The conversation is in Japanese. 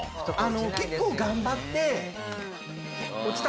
結構頑張って落ちたかなあと。